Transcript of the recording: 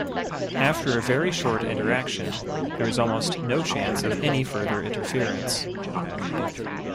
After a very short interaction, there is almost no chance of any further interference.